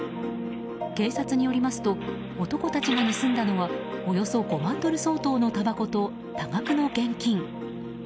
警察によりますと男たちが盗んだのはおよそ５万ドル相当のたばこと多額の現金。